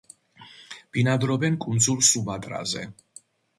ბინადრობენ კუნძულ სუმატრაზე.